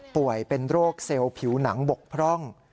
ป่วยเป็นโรคเซลล์ผิวหนังบกพร่อง